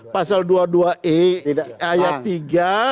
pasal dua puluh dua e ayat tiga